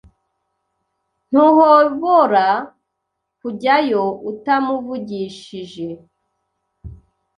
Ntuhobora kujyayo utamuvugishije